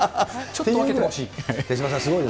ちょっと分けてほしい。